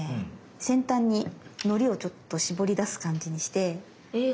先端にのりをちょっと絞り出す感じにしてで。